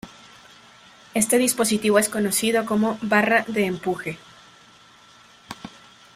Este dispositivo es conocido como "barra de empuje".